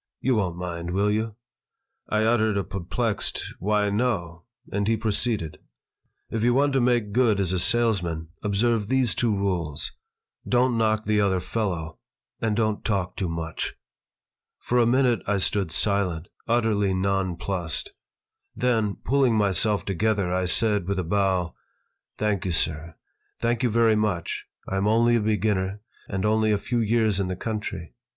"You won't mind, will you?" I uttered a perplexed, "Why, no"; and he proceeded: "If you want to make good as a salesman, observe these two rules: Don't knock the other fellow and don't talk too much." For a minute I stood silent, utterly nonplussed. Then, pulling myself together, I said, with a bow: "Thank you, sir. Thank you very much. I am only a beginner, and only a few years in the country.